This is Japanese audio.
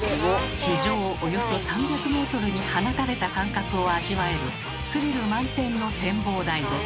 地上およそ３００メートルに放たれた感覚を味わえるスリル満点の展望台です。